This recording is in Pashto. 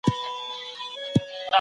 خلک د زده کړې نوي فرصتونه لټوي.